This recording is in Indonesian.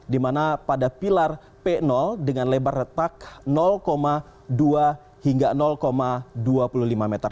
di mana pada pilar p dengan lebar retak dua hingga dua puluh lima meter